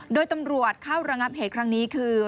โดยตำรวจเข้าระงับเหตุครั้งนี้คือ